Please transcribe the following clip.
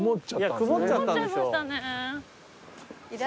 曇っちゃいましたね。